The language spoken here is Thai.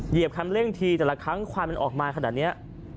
เหยียบคันเร่งทีแต่ละครั้งควันมันออกมาขนาดนี้